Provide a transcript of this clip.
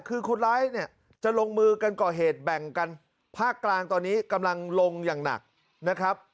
คือคนร้ายเนี่ยจะลงมือกันก่อเหตุแบ่งกันภาคกลางตอนนี้กำลังลงอย่างหนักนะครับ